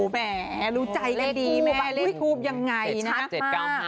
แหมรู้ใจกันดีแหมเลขทูปยังไงชัดมา